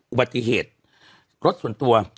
อุบัติเหตุรถส่วนตัว